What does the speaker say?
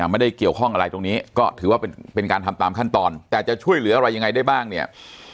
ไม่ได้เกี่ยวข้องอะไรตรงนี้ก็ถือว่าเป็นการทำตามขั้นตอนแต่จะช่วยเหลืออะไรยังไงได้บ้างเนี่ย